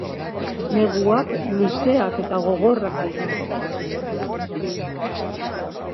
Neguak luzeak eta gogorrak dira.